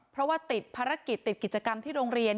เพราะว่าติดภารกิจติดกิจกรรมที่โรงเรียน